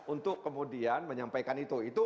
untuk kemudian menyampaikan itu